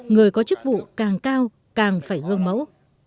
người có chức vụ càng cao càng phải gương mẫu